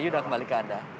yudha kembali ke anda